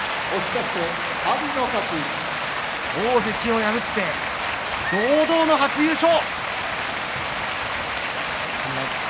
大関を破って堂々の初優勝。